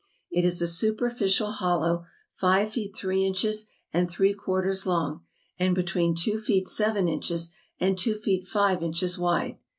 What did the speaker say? It is a superficial hollow, five feet three inches and three quarters long, and between two feet seven inches, and two feet five inches wide.